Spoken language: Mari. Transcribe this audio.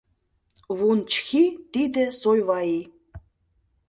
Вун-Чхи - тиде Сойваи.